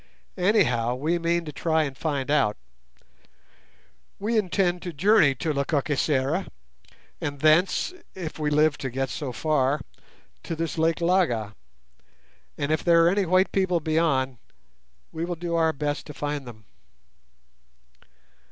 Anyhow, we mean to try and find out. We intend to journey to Lekakisera, and thence, if we live to get so far, to this Lake Laga; and, if there are any white people beyond, we will do our best to find them."